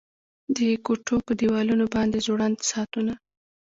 د کوټو په دیوالونو باندې ځوړند ساعتونه